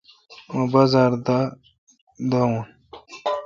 مہ بازار دا داوین۔